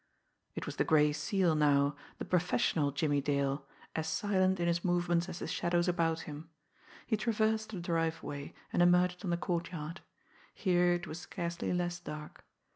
It was the Gray Seal now, the professional Jimmie Dale, as silent in his movements as the shadows about him. He traversed the driveway, and emerged on the courtyard. Here, it was scarcely less dark.